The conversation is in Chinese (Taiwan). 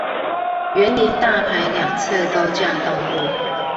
員林大排兩側高架道路